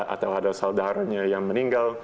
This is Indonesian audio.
atau ada saudaranya yang meninggal